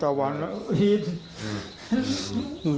ลูกนั่นแหละที่เป็นคนผิดที่ทำแบบนี้